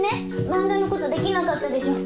漫画のことできなかったでしょ。